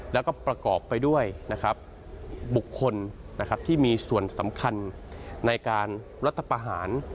แล้วก็ประกอบไปด้วยนะครับบุคคลที่มีส่วนสำคัญในการรัฐประหาร